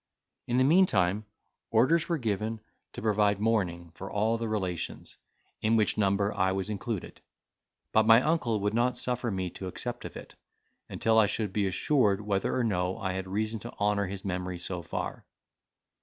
In the meantime, orders were given to provide mourning for all the relations, in which number I was included; but my uncle would not suffer me to accept of it, until I should be assured whether or no I had reason to honour his memory so far.